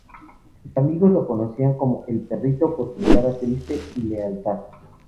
Sus amigos lo conocían como "el perrito" por su mirada triste y su lealtad.